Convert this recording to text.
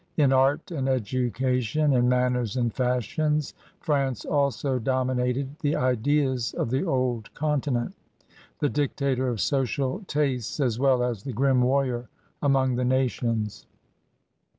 In art and education, in manners and fashions, France also dominated the ideas of the old con tinent, the dictator of social tastes as well as the grim warrior among the nations.